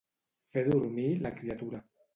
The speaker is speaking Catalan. Fer dormir la criatura.